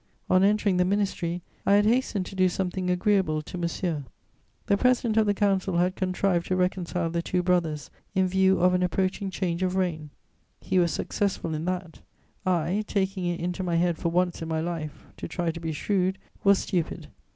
On entering the ministry, I had hastened to do something agreeable to Monsieur. The President of the Council had contrived to reconcile the two brothers, in view of an approaching change of reign: he was successful in that; I, taking it into my head for once in my life to try to be shrewd, was stupid.